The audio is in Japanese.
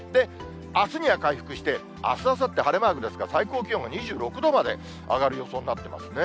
あすには回復して、あす、あさって、晴れマークですが、最高気温が２６度まで上がる予想になってますね。